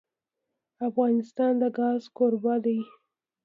افغانستان د ګاز کوربه دی.